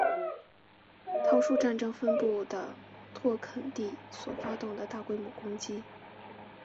桃树战争分布的拓垦地所发动的大规模攻击。